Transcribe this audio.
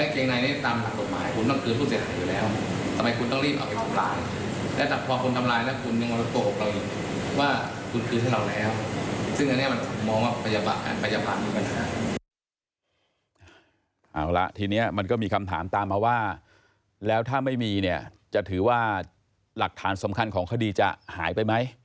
เอาละทีนี้มันก็มีคำถามตามมาว่าแล้วถ้าไม่มีเนี่ยจะถือว่าหลักฐานสำคัญของคดีจะหายไปไหม